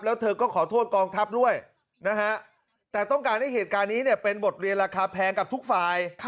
แล้วเธอก็ขอโทษกองทัพด้วยนะฮะแต่ต้องการให้เหตุการณ์นี้เป็นบทเรียนราคาแพงกับทุกฝ่าย